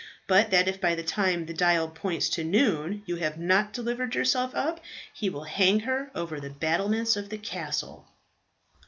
But that if by the time the dial points to noon you have not delivered yourself up, he will hang her over the battlements of the castle."